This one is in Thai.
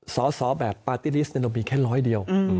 สอสอแบบปาร์ตี้ลิสต์เรามีแค่ร้อยเดียว